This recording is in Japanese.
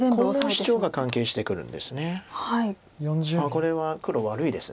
これは黒悪いです。